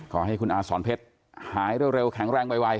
ขอให้คุณอาสอนเพชรหายเร็วแข็งแรงไว